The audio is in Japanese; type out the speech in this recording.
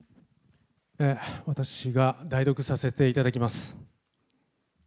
私が代読させていただきます。